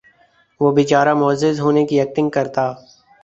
وہ بیچارہ معزز ہونے کی ایکٹنگ کرتا